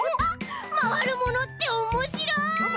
まわるものっておもしろい！